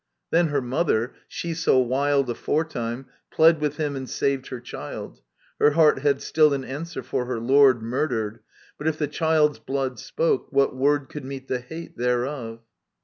Then her mother, she so wild Aforetime, pled with him and saved her child. Her heart had still an answer for her lord Murdered, but if the child's blood spoke, what word Could meet the hate thereof?